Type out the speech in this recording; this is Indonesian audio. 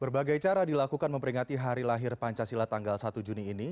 berbagai cara dilakukan memperingati hari lahir pancasila tanggal satu juni ini